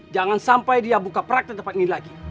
jangan sampai dia buka perak di tempat ini lagi